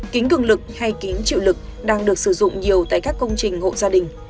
kính cường lực hay kín chịu lực đang được sử dụng nhiều tại các công trình hộ gia đình